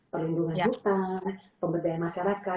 perlindungan hutan pemberdayaan masyarakat